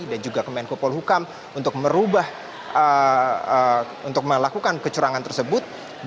dan juga kemenkopol hukam untuk melakukan kecurangan tersebut